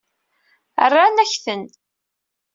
Rran-ak-ten.